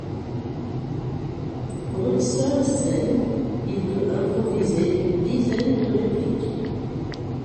Pour une seule scène, il peut improviser une dizaine de répliques.